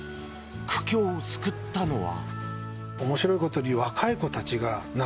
苦境を救ったのは。